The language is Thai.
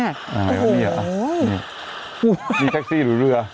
อันนี้หรือเปล่านี่นี่แท็กซี่หรือเรือ